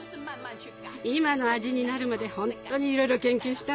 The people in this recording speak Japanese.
今の味になるまでほんとにいろいろ研究したわ。